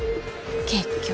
結局。